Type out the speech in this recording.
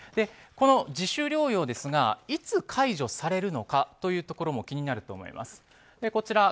この自主療養ですが、いつ解除されるのかというところも気になると思います。